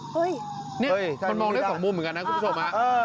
เฮ้ยนี่มันมองได้สองมุมเหมือนกันนะคุณผู้ชมฮะ